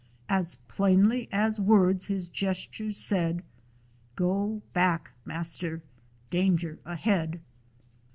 As plainly as words his gestures said: "Go back, master. Danger ahead!"